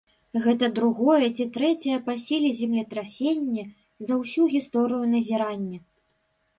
Гэта другое ці трэцяе па сіле землетрасенне за ўсю гісторыю назірання.